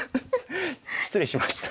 失礼しました。